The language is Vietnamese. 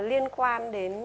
liên quan đến